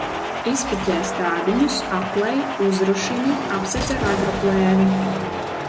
Izpiķē stādiņus, aplej, uzrušini, apsedz ar agroplēvi.